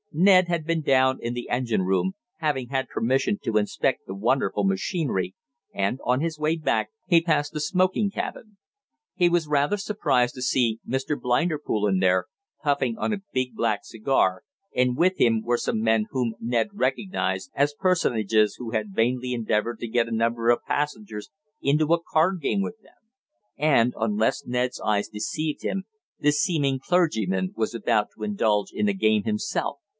Ned had been down in the engine room, having had permission to inspect the wonderful machinery, and, on his way back he passed the smoking cabin. He was rather surprised to see Mr. Blinderpool in there, puffing on a big black cigar, and with him were some men whom Ned recognized as personages who had vainly endeavored to get a number of passengers into a card game with them. And, unless Ned's eyes deceived him, the seeming clergyman was about to indulge in a game himself.